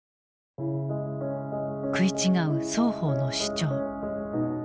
食い違う双方の主張。